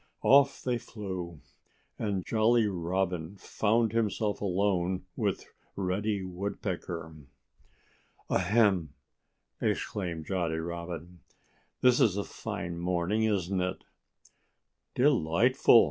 Off they flew. And Jolly Robin found himself alone with Reddy Woodpecker. "Ahem!" exclaimed Jolly Robin. "It's a fine morning, isn't it?" "Delightful!"